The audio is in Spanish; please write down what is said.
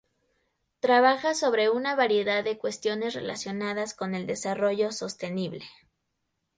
Trabaja sobre una variedad de cuestiones relacionadas con el desarrollo sostenible.